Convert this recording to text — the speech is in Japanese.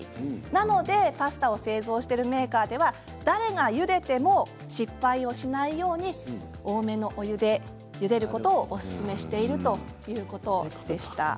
なのでパスタを製造しているメーカーでは誰がゆでても失敗をしないように多めのお湯でゆでることをおすすめしているということでした。